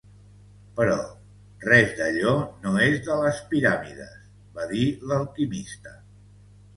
"Però res d'allò no és de les piràmides" va dir l'alquimista.